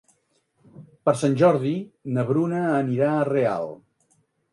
Per Sant Jordi na Bruna anirà a Real.